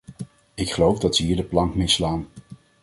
Ik geloof dat ze hier de plank misslaan.